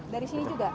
dari sini juga